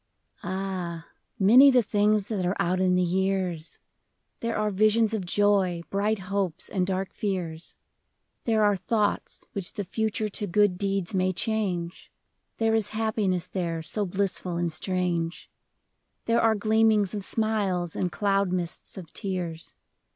ilH, many the things that are out in the years ! There are visions of joy, bright hopes and dark fears, There are thoughts which the future to good deeds may change. There is happiness there so blissful and strange, There are gleamings of smiles and cloud mists of tears.